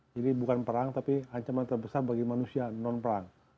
jadi bukan perang tapi ancaman terbesar bagi manusia non perang